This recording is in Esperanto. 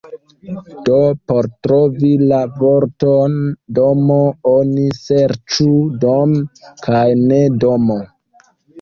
Do por trovi la vorton "domo", oni serĉu "dom" kaj ne "domo".